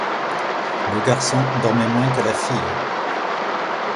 Le garçon dormait moins que la fille.